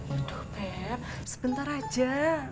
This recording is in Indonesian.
aduh pep sebentar aja